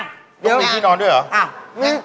ต้องมีที่นอนด้วยเหรอ